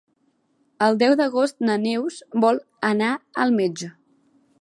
El deu d'agost na Neus vol anar al metge.